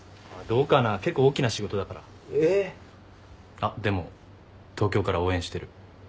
あっでも東京から応援してる。